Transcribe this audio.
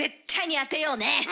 当てよう。